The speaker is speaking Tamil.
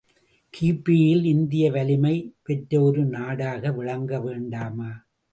கி.பி.இல் இந்தியா வலிமை பெற்ற ஒரு நாடாக விளங்க வேண்டாமா?